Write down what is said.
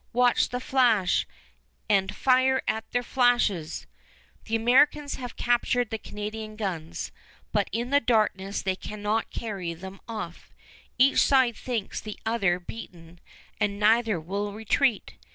Watch the flash, and fire at their flashes!" [Illustration: MONUMENT AT LUNDY'S LANE] The Americans have captured the Canadian guns, but in the darkness they cannot carry them off. Each side thinks the other beaten, and neither will retreat.